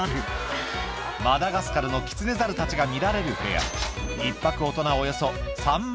マダガスカルのキツネザルたちが見られる部屋これら